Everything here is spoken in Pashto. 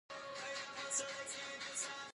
د پښتون لهجه په انګلیسي کې ښکاري.